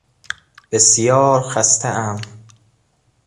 بسیار خستهام